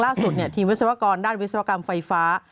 ทีมวิศวกรด้านวิศวกรรมไฟฟ้า